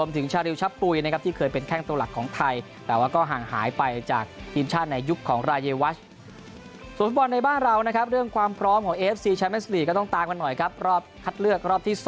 มาหน่อยครับรอบคัดเลือกรอบที่๒